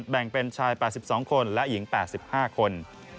แบ่งเป็นชาย๘๒คนและหญิง๘๕คน